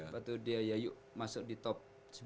waktu dia yayuk masuk di top sembilan belas